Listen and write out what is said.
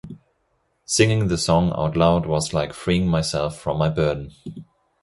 Singing the song out loud was like freeing myself from my burden.